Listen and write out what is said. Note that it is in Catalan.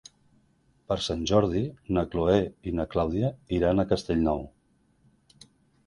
Per Sant Jordi na Chloé i na Clàudia iran a Castellnou.